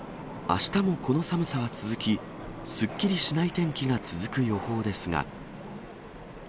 あしたもこの寒さは続き、すっきりしない天気が続く予報ですが。